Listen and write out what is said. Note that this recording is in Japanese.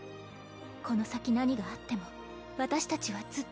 この先何があっても私たちはずっと。